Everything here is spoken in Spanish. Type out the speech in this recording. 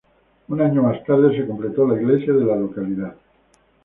Un año más tarde, se completó la iglesia de la localidad.